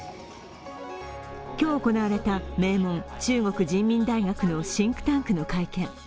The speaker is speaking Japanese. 今日行われた名門、中国人民大学のシンクタンクの会見。